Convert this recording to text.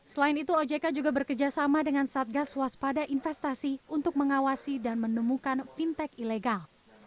selain itu ojk juga bekerjasama dengan satgas waspada investasi untuk mengawasi dan menemukan fintech ilegal